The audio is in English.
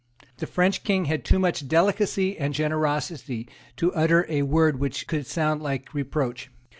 The French King had too much delicacy and generosity to utter a word which could sound like reproach.